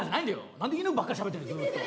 何で犬ばっかりしゃべってんのずっと。